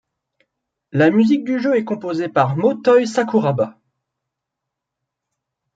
La musique du jeu est composée par Motoi Sakuraba.